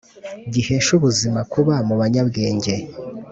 gihesha ubuzima kuba mu banyabwenge